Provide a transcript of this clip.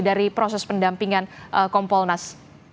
dari proses pendampingan kompolnas